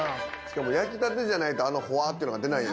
しかも焼きたてじゃないとあのほわっていうのが出ない。